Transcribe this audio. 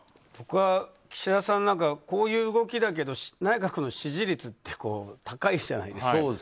僕は岸田さんが何かこういう動きだけど内閣の支持率って高いじゃないですか。